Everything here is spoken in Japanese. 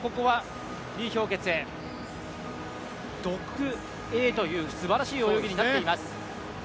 李氷潔、独泳というすばらしい泳ぎになっています。